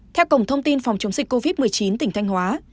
theo cổng thông tin phòng chống dịch covid một mươi chín tỉnh thanh hóa